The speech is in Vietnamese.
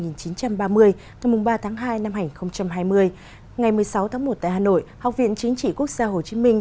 ngày ba tháng hai năm hai nghìn hai mươi ngày một mươi sáu tháng một tại hà nội học viện chính trị quốc gia hồ chí minh